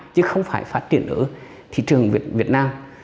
chứ không phải phát triển ở thị trường việt nam